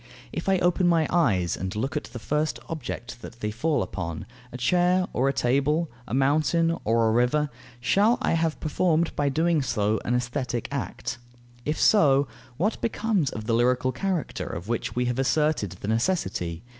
If I open my eyes and look at the first object that they fall upon, a chair or a table, a mountain or a river, shall I have performed by so doing an aesthetic act? If so, what becomes of the lyrical character, of which we have asserted the necessity?